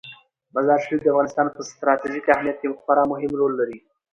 مزارشریف د افغانستان په ستراتیژیک اهمیت کې خورا مهم رول لري.